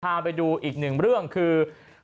พาไปดูอีกหนึ่งเรื่องคือ